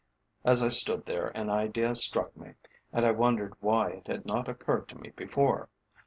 As I stood there an idea struck me, and I wondered why it had not occurred to me before.